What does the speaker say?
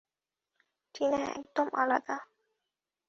টিনা একদম আলাদা।